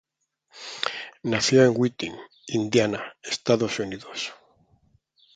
Nació en Whiting, Indiana, Estados Unidos.